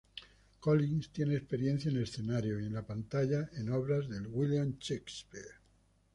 Collins tiene experiencia en escenarios y en la pantalla en obras de William Shakespeare.